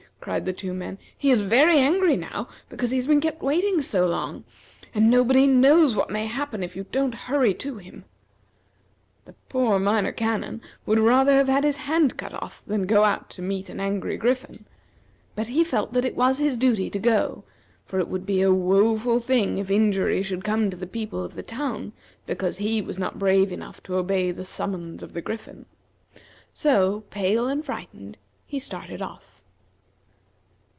cried the two men. "He is very angry now because he has been kept waiting so long; and nobody knows what may happen if you don't hurry to him." The poor Minor Canon would rather have had his hand cut off than go out to meet an angry griffin; but he felt that it was his duty to go, for it would be a woful thing if injury should come to the people of the town because he was not brave enough to obey the summons of the Griffin. So, pale and frightened, he started off.